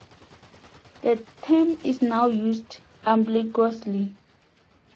The term is now used ambiguously.